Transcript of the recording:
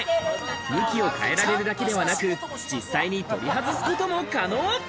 向きを変えられるだけではなく、実際に取り外すことも可能。